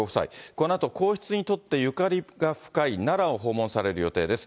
このあと皇室にとってゆかりが深い奈良を訪問される予定です。